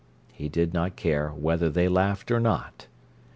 He did not care whether they laughed or not.